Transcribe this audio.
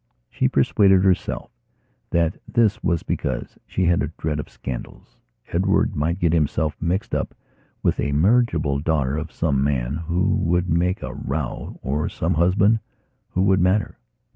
She persuaded herself that this was because she had a dread of scandals. Edward might get himself mixed up with a marriageable daughter of some man who would make a row or some husband who would matter.